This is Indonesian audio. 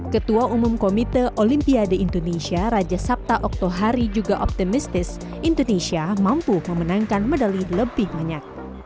ketua umum komite olimpiade indonesia raja sabta oktohari juga optimistis indonesia mampu memenangkan medali lebih banyak